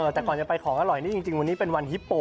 แต่ก่อนจะไปของอร่อยนี่จริงวันนี้เป็นวันฮิปโป